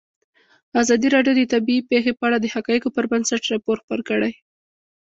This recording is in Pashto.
ازادي راډیو د طبیعي پېښې په اړه د حقایقو پر بنسټ راپور خپور کړی.